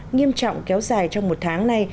nghiêm trọng kéo dài trong một tháng này